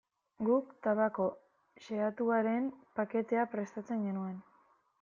Guk tabako xehatuaren paketea prestatzen genuen.